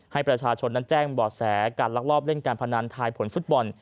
ให้ประชาชนนั้นแจ้งบ่อแสการลักลอบเล่นการพนันทายผลฟุตบอล